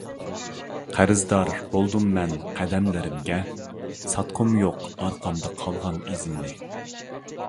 قەرزدار بولدۇممەن قەدەملىرىمگە، ساتقۇم يوق ئارقامدا قالغان ئىزىمنى.